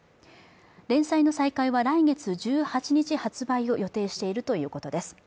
連載の再開は来月１８日発売を予定しているということです。